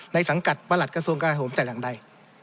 ในสังกัดบรรดศ์กระทรวงการโหมแต่หลังใด